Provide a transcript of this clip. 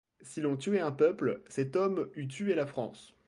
Si l'on tuait un peuple, cet homme eût tué la France.